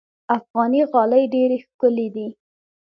افغاني غالۍ ډېرې ښکلې دي.